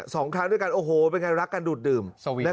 สองครั้งด้วยกันโอ้โหเป็นไงรักกันดูดดื่ม